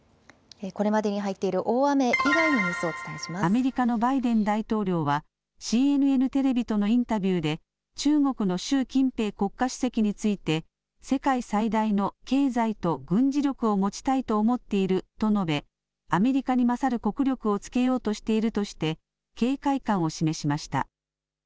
アメリカのバイデン大統領はＣＮＮテレビとのインタビューで中国の習近平国家主席について世界最大の経済と軍事力を持ちたいと思っていると述べアメリカに勝る国力をつけようとしているとして警戒感を示しました。